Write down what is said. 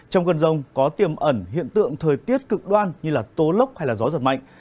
trong cơn rông có tiềm ẩn hiện tượng thời tiết cực đoan như tố lốc hay gió giật mạnh